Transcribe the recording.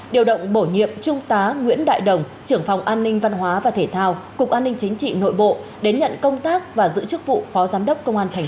điều động bổ nhiệm trung tá nguyễn đại đồng trưởng phòng an ninh văn hóa và thể thao cục an ninh chính trị nội bộ đến nhận công tác và giữ chức vụ phó giám đốc công an tp hcm